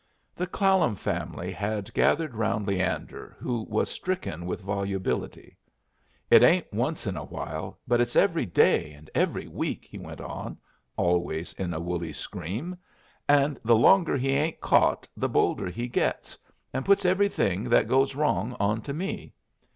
The Clallam family had gathered round Leander, who was stricken with volubility. "It ain't once in a while, but it's every day and every week," he went on, always in a woolly scream. "And the longer he ain't caught the bolder he gets, and puts everything that goes wrong on to me.